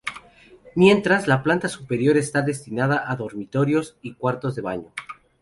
Mientras, la planta superior está destinada a dormitorios y cuartos de baño.